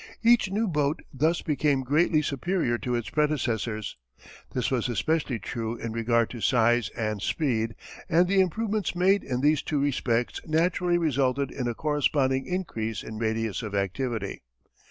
Each new boat thus became greatly superior to its predecessors. This was especially true in regard to size and speed and the improvements made in these two respects naturally resulted in a corresponding increase in radius of activity.